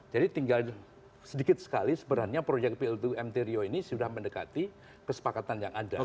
jadi tinggal sedikit sekali sebenarnya proyek plt mthio ini sudah mendekati kesepakatan yang ada